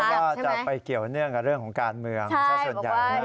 ว่าจะไปเกี่ยวเนื่องกับเรื่องของการเมืองซะส่วนใหญ่นะ